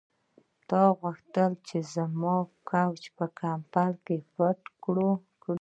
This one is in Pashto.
تا غوښتل چې موږ زما کوچ په کمپلې پټ کړو